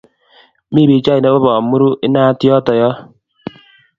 Mi pichait nebo bomuru inat yoto yo